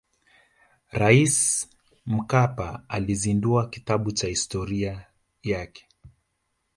raisi mkapa alizindua kitabu cha historia yake